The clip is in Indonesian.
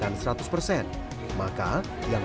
maka yang bisa dilakukan masyarakat adalah